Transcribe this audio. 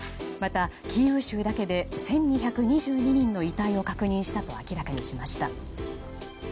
また、キーウ州だけで１２２２人の遺体を確認したと明らかにしました。